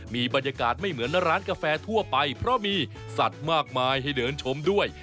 มีบรรยากาศไม่เหมือนร้านกาแฟทั่วไปเพราะมีสัตว์มากมายให้เดินชมด้วย